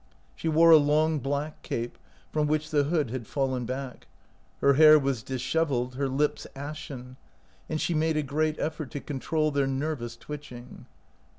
She wore a long black cape, from which the hood had fallen back. Her hair was disheveled, her lips ashen, and she made a great effort to control their nervous twitching.